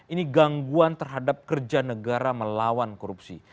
ini gangguan terhadap kerja negara melawan korupsi